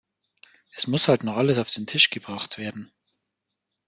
Es muss halt nur alles auf den Tisch gebracht werden.